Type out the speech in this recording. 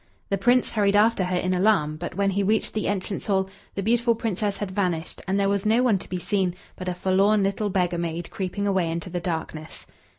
The Prince hurried after her in alarm, but when he reached the entrance hall, the beautiful Princess had vanished, and there was no one to be seen but a forlorn little beggar maid creeping away into the darkness.